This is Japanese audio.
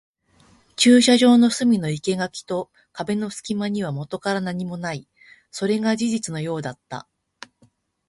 駐車場の隅の生垣と壁の隙間にはもとから何もない。それが事実のようだった。